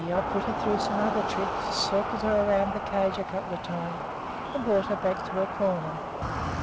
I put her through some other tricks, circled her around the cage a couple of times, and brought her back to her corner.